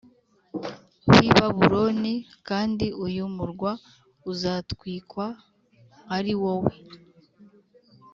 w i Babuloni kandi uyu murwa uzatwikwa ari wowe